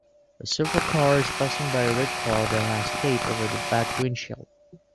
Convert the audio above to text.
A silver car is passing by a red car that has tape over the back windshield.